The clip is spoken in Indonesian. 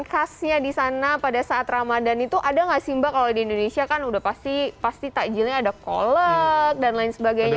pasnya di sana pada saat ramadan itu ada nggak sih mbak kalau di indonesia kan udah pasti takjilnya ada kolek dan lain sebagainya